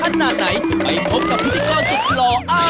ขนาดไหนไปพบกับพิธีกรสุดหล่อ้า